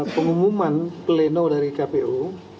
pengumuman pleno dari kpu